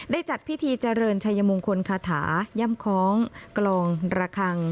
จัดพิธีเจริญชัยมงคลคาถาย่ำคล้องกลองระคัง